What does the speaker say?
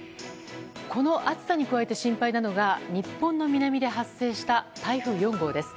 この暑さに加えて心配なのが日本の南で発生した台風４号です。